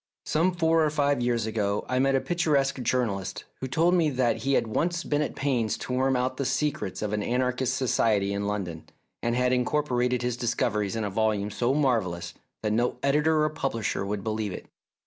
Some four or five years ago I met a picturesque journalist who told me that he had once been at pains to worm out the secrets of an anarchist society in London, and had incorporated his discoveries in a volume so marvellous that no editor or pub lisher would believe it.